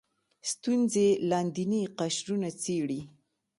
ستونزې لاندیني قشرونه څېړي